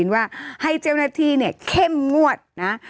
ว่าให้เจ้าหน้าที่เนี่ยเข้มงวดนะ